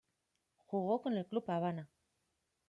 Jugó con el club Habana.